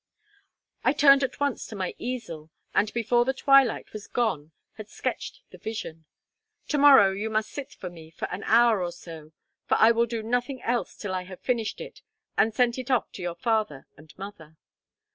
I turned at once to my easel, and before the twilight was gone had sketched the vision. To morrow, you must sit to me for an hour or so; for I will do nothing else till I have finished it, and sent it off to your father and mother."